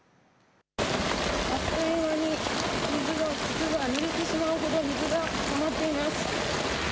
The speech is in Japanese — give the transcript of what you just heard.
あっという間に靴がぬれてしまうほど水がたまっています。